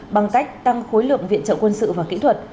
bằng cách tăng khối lượng viện trợ quân sự và kỹ thuật